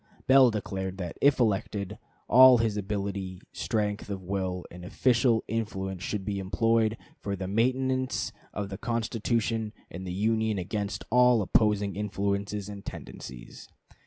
Bell declared that, if elected, all his ability, strength of will, and official influence should be employed "for the maintenance of the Constitution and the Union against all opposing influences and tendencies."